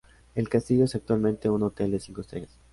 El castillo es actualmente un hotel de cinco estrellas.